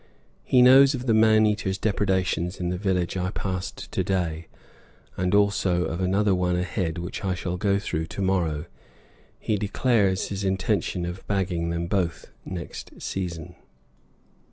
He knows of the man eater's depredations in the village I passed to day, and also of another one ahead which I shall go through to morrow; he declares his intention of bagging them both next season.